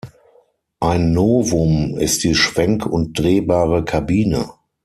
Ein Novum ist die schwenk- und drehbare Kabine.